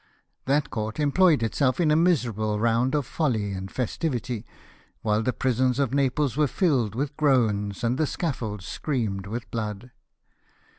That court einployed itself in a miserable round of folly and festivity, while the prisons of Naples were filled with groans, and the scaffolds streamed with blood.